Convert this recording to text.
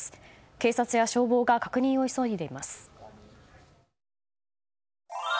警察や消防が確認を急いでいます。